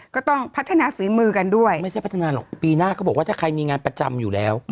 ก็ต้องพัฒนาฝีมือกันด้วยไม่ใช่พัฒนาหรอกปีหน้าก็บอกว่าถ้าใครมีงานประจำอยู่แล้ว